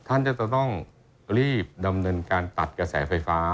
ท่านจะต้องรีบดำเนินการตัดกระแสไฟฟ้า